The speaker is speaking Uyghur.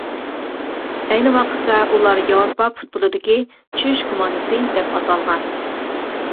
ئەينى ۋاقىتتا ئۇلار ياۋروپا پۇتبولىدىكى «چۈش كوماندىسى» دەپ ئاتالغان.